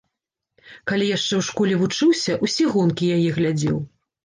Калі яшчэ ў школе вучыўся, усе гонкі яе глядзеў.